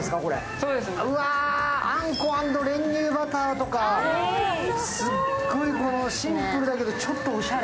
あんこ＆練乳バターとか、すっごいシンプルだけどちょっとおしゃれ。